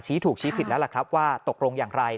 ถูกชี้ผิดแล้วล่ะครับว่าตกลงอย่างไร